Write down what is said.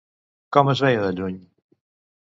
Com es veia de lluny?